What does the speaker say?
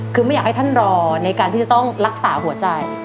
คือไม่อยากให้ท่านรอในการที่จะต้องรักษาหัวใจ